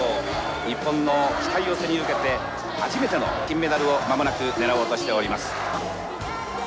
日本の期待を背に受けて初めての金メダルをまもなく狙おうとしております。